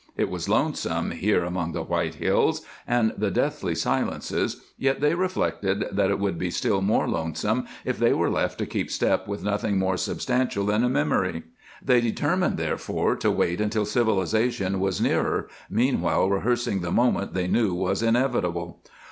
It was lonesome, here among the white hills and the deathly silences, yet they reflected that it would be still more lonesome if they were left to keep step with nothing more substantial than a memory. They determined, therefore, to wait until civilization was nearer, meanwhile rehearsing the moment they knew was inevitable.